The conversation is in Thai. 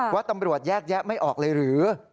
ว่าตำรวจแยกแยะไม่ออกเลยหรือ